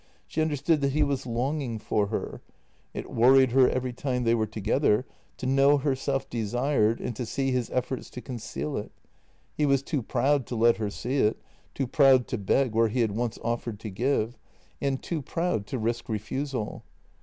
She understood that he was longing for her; it worried her every time they were together to know herself desired and to see his efforts to conceal it — he was too proud to let her see it, too proud to beg where he had once offered to give — and too proud to risk refusal.